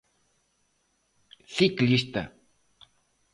Ciclista.